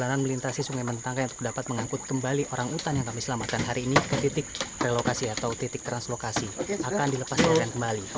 hutan yang melintasi sungai mentangga yang dapat mengangkut kembali orangutan yang kami selamatkan hari ini ke titik relokasi atau titik translokasi akan dilepaskan kembali